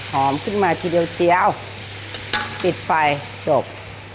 หอมขึ้นมาทีเดียวเชียวปิดไฟจบ